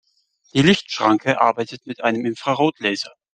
Die Lichtschranke arbeitet mit einem Infrarotlaser.